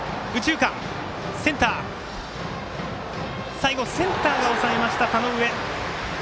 最後センターが抑えました田上。